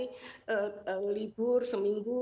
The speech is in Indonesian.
mereka sudah selesai belajar